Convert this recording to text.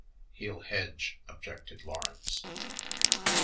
"He'll hedge," objected Lawrence.